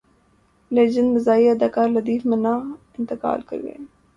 legend مزاحیہ اداکار لطیف منا انتقال کر گئے